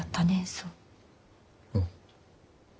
うん。